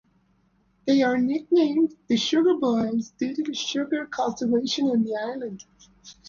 They are nicknamed "The Sugar Boyz" due to the sugar cultivation on the island.